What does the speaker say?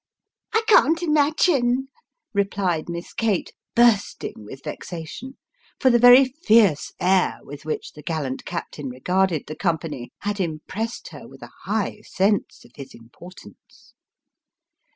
Off! 297 " I can't imagine," replied Miss Kate, bursting with vexation ; for the very fierce air with which the gallant captain regarded the com pany, had impressed her with a high sense of his importance.